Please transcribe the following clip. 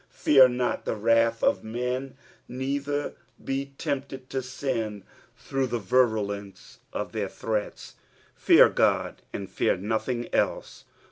Fear not the wrath of men, neither be tempted to sin through the virulence of their tbreats ; fear God and fear nothing el^e.